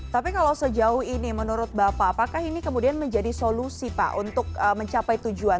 tapi kalau sejauh ini menurut bapak apakah ini kemudian menjadi solusi pak untuk mencapai tujuan